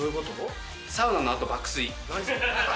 サウナのあと、爆睡。